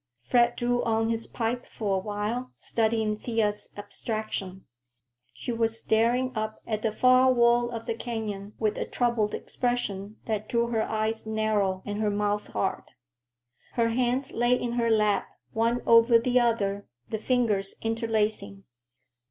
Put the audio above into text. Fred drew on his pipe for a while, studying Thea's abstraction. She was staring up at the far wall of the canyon with a troubled expression that drew her eyes narrow and her mouth hard. Her hands lay in her lap, one over the other, the fingers interlacing.